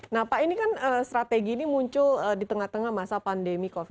nah pak ini kan strategi ini muncul di tengah tengah masa pandemi covid sembilan belas